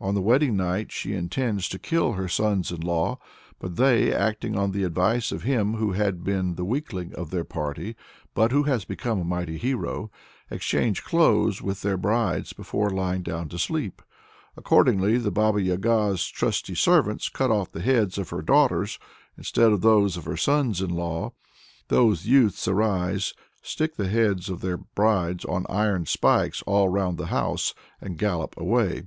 On the wedding night she intends to kill her sons in law; but they, acting on the advice of him who had been the weakling of their party, but who has become a mighty hero, exchange clothes with their brides before "lying down to sleep." Accordingly the Baba Yaga's "trusty servants" cut off the heads of her daughters instead of those of her sons in law. Those youths arise, stick the heads of their brides on iron spikes all round the house, and gallop away.